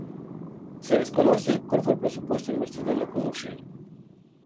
Se desconoce cual fue el presupuesto invertido en la producción.